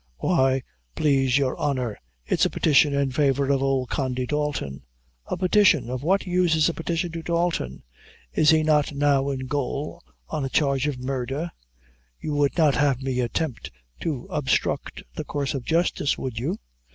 "Why, plase your honor, it's a petition in favor of ould Condy Dalton." "A petition! Of what use is a petition to Dalton? Is he not now in gaol, on a charge of murder? You would not have me attempt to obstruct the course of justice, would you?